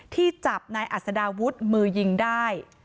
ที่จับนายอัศดาวุฒิมือยิงได้